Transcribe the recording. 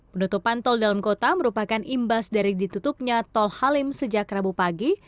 penutupan tol dalam kota merupakan imbas dari ditutupnya tol halim sejak rabu pagi